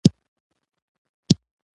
له تا وروسته په شعرونو کې خوند نه شته